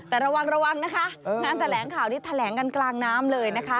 แต่ระวังระวังนะคะงานแถลงข่าวนี้แถลงกันกลางน้ำเลยนะคะ